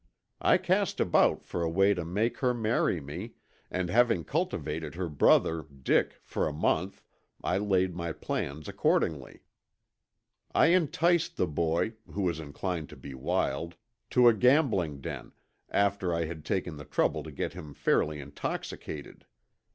I cast about for a way to make her marry me, and having cultivated her brother, Dick, for a month, I laid my plans accordingly. "I enticed the boy, who was inclined to be wild, to a gambling den, after I had taken the trouble to get him fairly intoxicated.